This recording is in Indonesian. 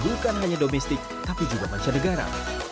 bukan hanya domestik tapi juga mancanegara